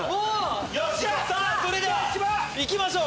それではいきましょう！